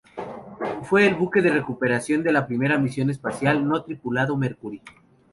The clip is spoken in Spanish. Fue el buque de recuperación de la primera misión espacial no tripulado Mercury.